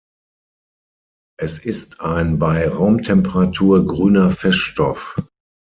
Es ist ein bei Raumtemperatur grüner Feststoff.